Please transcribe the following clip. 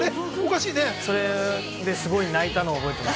それですごい泣いたのを覚えてます。